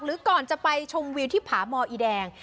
ก่อนจะไปชมวิวที่ผาหมออีแดง